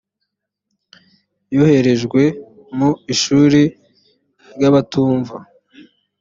yoherejwe mu ishuri ry abatumva